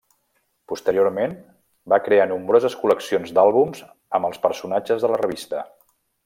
Posteriorment, va crear nombroses col·leccions d'àlbums amb els personatges de la revista.